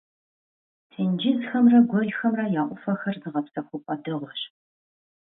Тенджызхэмрэ гуэлхэмрэ я Ӏуфэхэр зыгъэпсэхупӀэ дэгъуэщ.